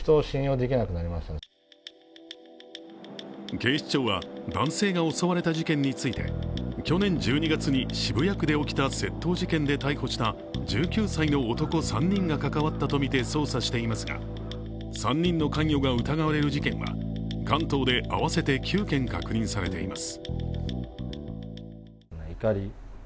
警視庁は男性が襲われた事件について去年１２月に渋谷区で起きた窃盗事件で逮捕した１９歳の男３人が関わったとみて捜査していますが、３人の関与が疑われる事件は関東で合わせて９件確認されています。